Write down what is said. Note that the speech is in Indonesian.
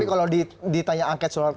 tapi kalau ditanya angket soal